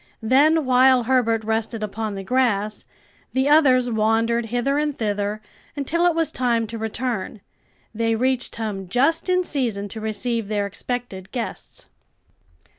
Then, while Herbert rested upon the grass the others wandered hither and thither until it was time to return. They reached home just in season to receive their expected guests.